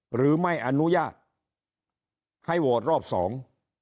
หรือไม่อนุญาตให้โหวตรอบสอง